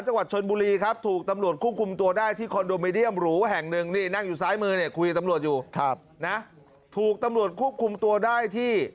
จังหวัดชนบุรีครับถูกตำรวจควบคุมตัวได้ที่คอนโดมิเนียมหรูแห่งหนึ่งนี่นั่งอยู่ซ้ายมือเนี่ยคุยกับตำรวจอยู่ถูกตำรวจควบคุมตัวได้ที่